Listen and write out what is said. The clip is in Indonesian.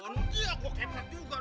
nanti ya gue kepet juga